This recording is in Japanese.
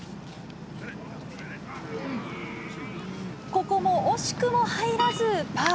ここも惜しくも入らずパー。